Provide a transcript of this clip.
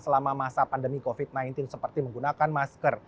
selama masa pandemi covid sembilan belas seperti menggunakan masker